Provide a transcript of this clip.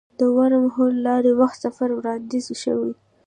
د ورم هول له لارې وخت سفر وړاندیز شوی.